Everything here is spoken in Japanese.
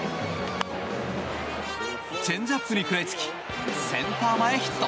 チェンジアップに食らいつきセンター前ヒット。